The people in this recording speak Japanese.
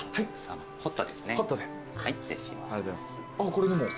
これにも。